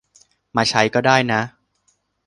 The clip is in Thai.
มาใช้ก็ได้นะ